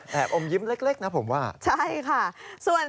แหอบอมยิ้มเล็กนะผมว่าใช่ค่ะอมยิ้มเล็กนะผมว่า